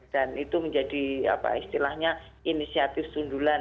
dan itu menjadi istilahnya inisiatif sundulan